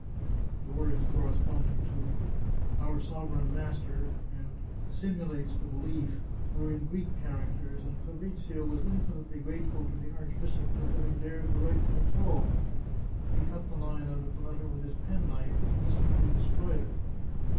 (The words correspond ing to our sovereign master and simtdates the belief were in Greek characters, and Fabrizio was infinitely grateful to the archbishop for having dared to write them at all. He cut the line out of the letter with his penknife, and instantly destroyed it.)